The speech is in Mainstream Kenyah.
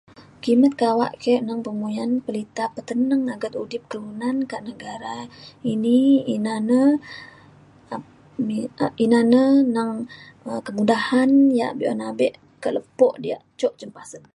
Kimet kawak ke neng pemuyan pelita peteneng udip kelunan kak negara ini ina na ina na neng um kemudahan yak be’un abe kak lepo diak jok cin pasen